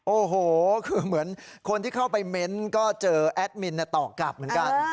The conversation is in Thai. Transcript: โอ้โหคือเหมือนคนที่เข้าไปเม้นต์ก็เจอแอดมินต่อกลับเหมือนกัน